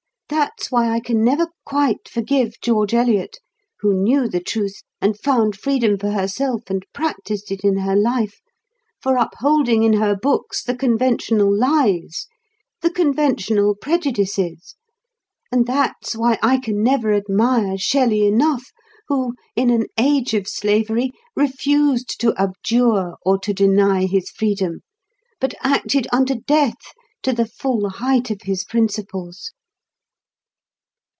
That's why I can never quite forgive George Eliot—who knew the truth, and found freedom for herself, and practised it in her life—for upholding in her books the conventional lies, the conventional prejudices; and that's why I can never admire Shelley enough, who, in an age of slavery, refused to abjure or to deny his freedom, but acted unto death to the full height of his principles."